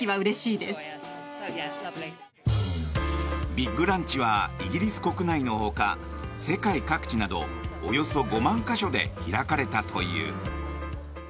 ビッグランチはイギリス国内の他世界各地など、およそ５万か所で開かれたという。